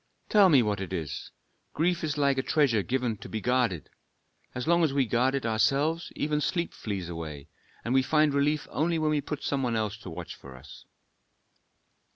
"Tell me what it is. Grief is like a treasure given to be guarded. As long as we guard it ourselves even sleep flees away, and we find relief only when we put some one else to watch for us."